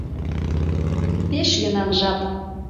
Пеш йӧнан жап.